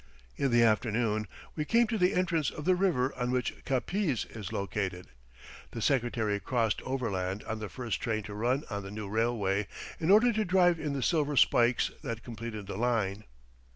In the afternoon we came to the entrance of the river on which Capiz is located. The Secretary crossed overland on the first train to run on the new railway, in order to drive in the silver spikes that completed the line.